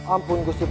ampun gusti prabu